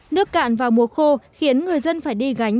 nước cạn vào mùa khô khiến người dân phải đi gánh